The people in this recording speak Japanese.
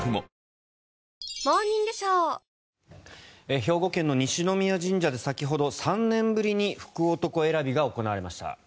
兵庫県の西宮神社で先ほど３年ぶりに福男選びが行われました。